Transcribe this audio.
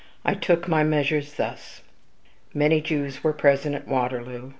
I took my measures thus: Many Jews were present at Waterloo.